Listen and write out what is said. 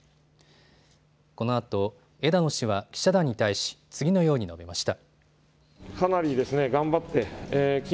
このあと枝野氏は記者団に対し次のように述べました。